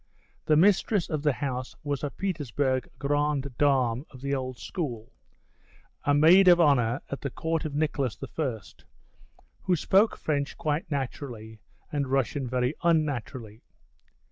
The mistress of the house was a Petersburg grande dame of the old school, a maid of honour at the court of Nicholas I., who spoke French quite naturally and Russian very unnaturally.